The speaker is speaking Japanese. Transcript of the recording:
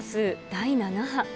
第７波。